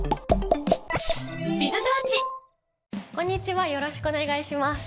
こんにちはよろしくお願いします。